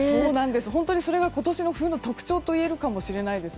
本当にそれが今年の冬の特徴といえるかもしれないです。